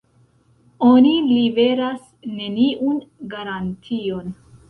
Oni liveras neniun garantion.